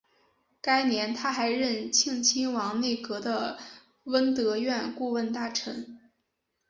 该年他还任庆亲王内阁的弼德院顾问大臣。